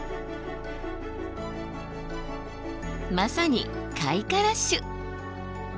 まさに開花ラッシュ！